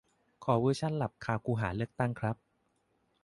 ขอเวอร์ชันหลับคาคูหาเลือกตั้งครับ